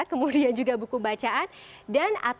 kemudian juga buku bacaan